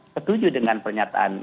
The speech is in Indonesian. setuju dengan pernyataan